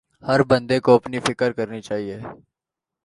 ہر بندے کو اپنی فکر کرنی چاہئے